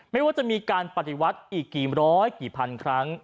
ไม่ว่าจะมีการปฏิวัติอีกกี่ร้อยกี่พันครั้ง